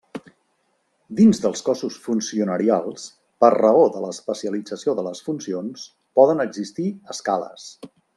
Dins dels cossos funcionarials, per raó de l'especialització de les funcions, poden existir escales.